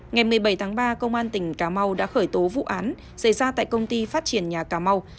ngày một mươi bảy tháng ba công an tỉnh cà mau đã khởi tố vụ án xảy ra tại công ty phát triển nhà cà mau